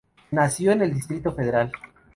Nació en el Distrito Federal.